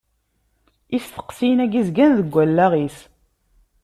Isteqsiyen-agi zgan deg wallaɣ-is.